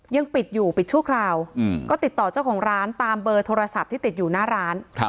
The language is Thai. ยังปิดอยู่ปิดชั่วคราวก็ติดต่อเจ้าของร้านตามเบอร์โทรศัพท์ที่ติดอยู่หน้าร้าน